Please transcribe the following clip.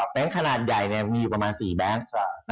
ขนาดใหญ่มีอยู่ประมาณ๔แบงค์